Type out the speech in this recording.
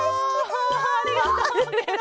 ありがとうケロ。